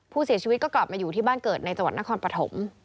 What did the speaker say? ผู้เสียชีวิตก็กลับมาอยู่ที่บ้านเกิดในจังหวัดนครปฐม